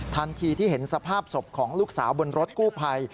ทันทีที่เห็นสภาพศพของลูกสาวบนรถกู้ภัย